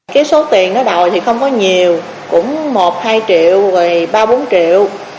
cái số tiền đó đòi thì không có nhiều cũng một hai triệu rồi ba bốn triệu